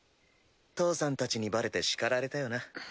義父さんたちにバレて叱られたよな。